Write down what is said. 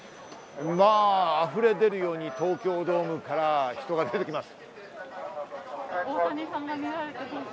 まぁ溢れでるように東京ドームから人が出てきます。